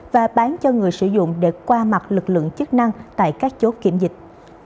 và bán cho người sử dụng để qua mặt lực lượng chức năng tại các chốt kiểm dịch